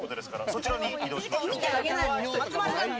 そちらに移動しましょう。